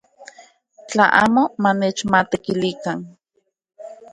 Tla amo manechmatekilikan.